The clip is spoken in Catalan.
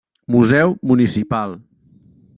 Museu Municipal.